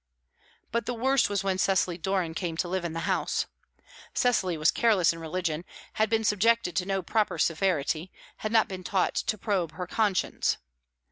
But the worst was when Cecily Doran came to live in the house. Cecily was careless in religion, had been subjected to no proper severity, had not been taught to probe her con science.